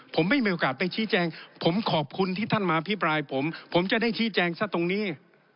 ผมไม่มีโอกาสไปชี้แจงผมขอบคุณที่ท่านมาอภิปรายผมผมจะได้ชี้แจงซะตรงนี้